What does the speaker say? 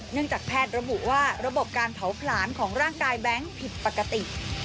จากแพทย์ระบุว่าระบบการเผาผลาญของร่างกายแบงค์ผิดปกติ